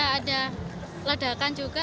ya ada ledakan juga